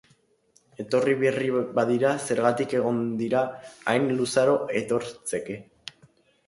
Etorri berri badira, zergatik egon dira hain luzaro etortzeke?